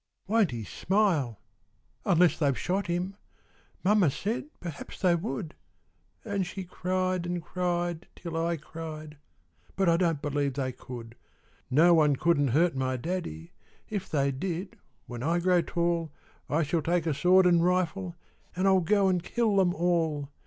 Won't he smile! unless they've shot him! Mamma said perhaps they would; An' she cried and cried till I cried But I don't believe they could. No one couldn't hurt my daddy; If they did, when I grow tall, I shall take a sword and rifle, An' I'll go and kill them all.